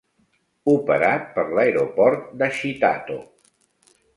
Operat per l'aeroport de Chitato.